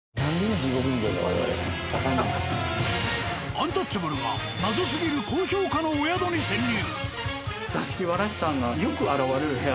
アンタッチャブルが謎すぎる高評価のお宿に潜入。